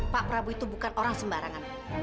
pak prabowo itu bukan orang sembarangan